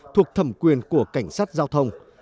thuộc thẩm quyền của cảnh sát giao thông